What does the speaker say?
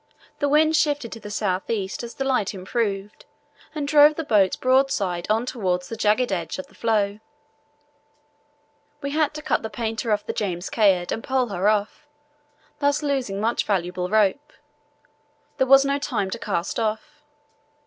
The wind shifted to the south east as the light improved and drove the boats broadside on towards the jagged edge of the floe. We had to cut the painter of the James Caird and pole her off, thus losing much valuable rope. There was no time to cast off.